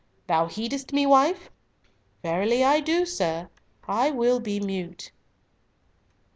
Thou heedest me, wife?" "Verily I do, sir; I will be mute."